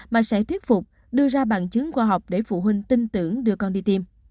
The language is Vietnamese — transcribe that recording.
mà sẽ thuyết phục đưa ra bằng chứng khoa học để phụ huynh tin tưởng đưa con đi tiêm